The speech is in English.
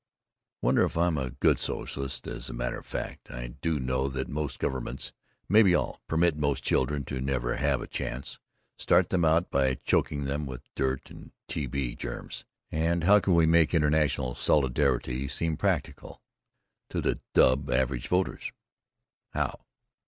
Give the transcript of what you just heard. Wonder if I am a good socialist as a matter of fact, I do know that most governments, maybe all, permit most children to never have a chance, start them out by choking them with dirt and T.B. germs, but how can we make international solidarity seem practical to the dub average voters, how!